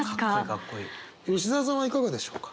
吉澤さんはいかがでしょうか。